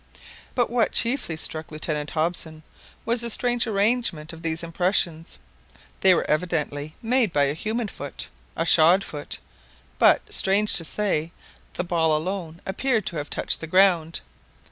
But what chiefly struck Lieutenant Hobson was the strange arrangement of these impressions. They were evidently made by a human foot, a shod foot; but, strange to say, the ball alone appeared to have touched the ground!